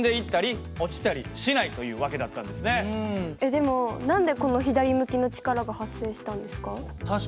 でも何でこの左向きの力が発生したんですか？